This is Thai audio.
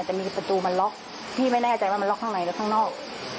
แต่มีประตูมันล็อกพี่ไม่แน่ใจว่ามันล็อกข้างในหรือข้างนอก